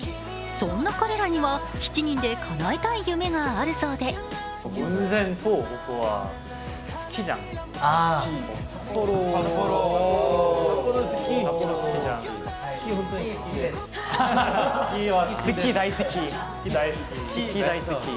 そんな彼らには７人でかなえたい夢があるそうでかわ